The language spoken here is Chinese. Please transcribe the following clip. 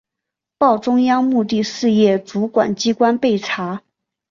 报中央目的事业主管机关备查